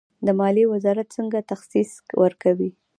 مالیې وزارت څنګه تخصیص ورکوي؟